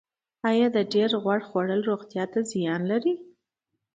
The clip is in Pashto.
ایا د ډیر غوړ خوړل روغتیا ته زیان لري